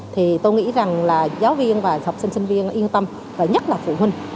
thì tôi nghĩ rằng là giáo viên và học sinh sinh viên yên tâm và nhất là phụ huynh